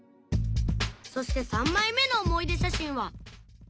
そして３枚目の思い出写真は